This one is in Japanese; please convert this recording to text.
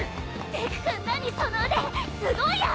デク君何その腕すごいやん！